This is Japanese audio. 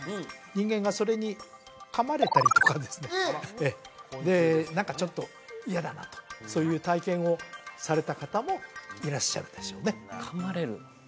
人間がそれに噛まれたりとかですねで何かちょっと嫌だなとそういう体験をされた方もいらっしゃるでしょうね噛まれる？